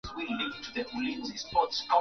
Simu ya mama.